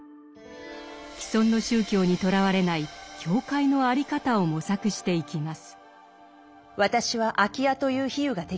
既存の宗教にとらわれない教会の在り方を模索していきます。